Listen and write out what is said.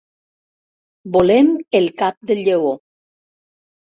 Volem el cap del lleó.